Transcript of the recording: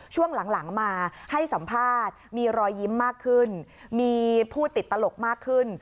ช่วงหลังมาให้สัมภาษณ์มีรอยยิ้มมากขึ้นมีผู้ติดตลกมากขึ้น